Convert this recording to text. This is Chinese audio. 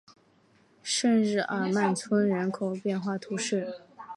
圣日耳曼村人口变化图示